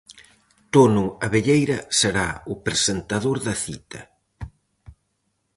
Tono Abelleira será o presentador da cita.